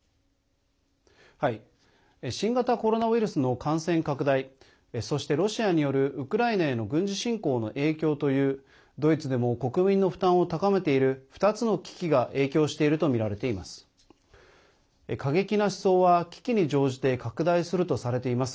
新型コロナウイルスの感染拡大そして、ロシアによるウクライナへの軍事侵攻の影響というドイツでも国民の負担を高めている２つの危機が影響しているとみられています。